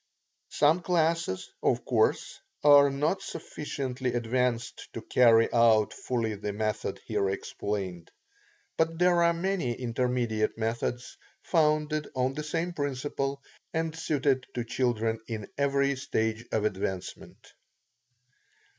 Some classes, of course, are not sufficiently advanced to carry out fully the method here explained. But there are many intermediate methods, founded on the same principle, and suited to children in every stage of advancement.